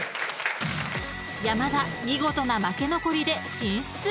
［山田見事な負け残りで進出］